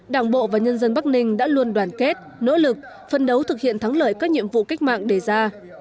đảng bộ và nhân dân bắc ninh đã luôn đoàn kết nỗ lực phân đấu thực hiện thắng lợi các nhiệm vụ cách mạng đề ra